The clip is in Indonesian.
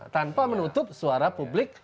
tanpa menutup suara publik